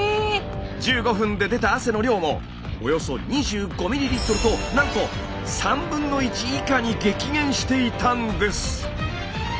１５分で出た汗の量もおよそ２５ｍｌとなんと1/3以下に激減していたんです。